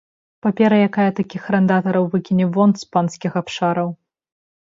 Папера, якая такіх арандатараў выкіне вон з панскіх абшараў.